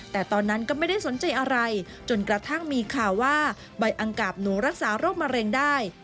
แต่ตอนนั้นก็ไม่ได้สนใจอะไรจนกระทั่งมีข่าวว่าใบอังกาบหนูรักษาโรคมะเร็งได้